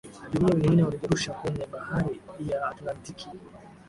abiria wengine walijirusha kwenye bahari ya atlantiki